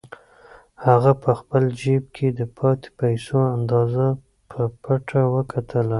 هغه په خپل جېب کې د پاتې پیسو اندازه په پټه وکتله.